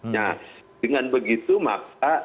nah dengan begitu maka